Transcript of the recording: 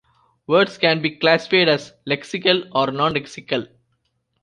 Words can be classified as lexical or nonlexical.